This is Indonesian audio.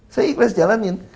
saya ikhlas jalanin